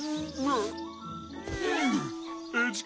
ああ。